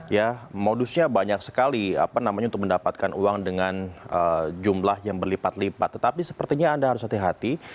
ya modusnya banyak sekali apa namanya untuk mendapatkan uang dengan jumlah yang berlipat lipat tetapi sepertinya anda harus hati hati